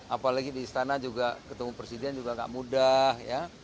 apalagi di istana juga ketemu presiden juga gak mudah ya